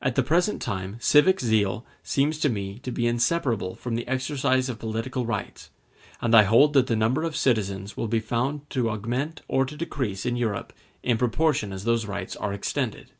At the present time civic zeal seems to me to be inseparable from the exercise of political rights; and I hold that the number of citizens will be found to augment or to decrease in Europe in proportion as those rights are extended.